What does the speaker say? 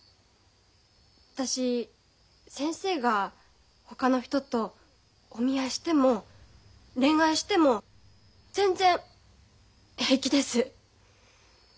私先生がほかの人とお見合いしても恋愛しても全然平気です。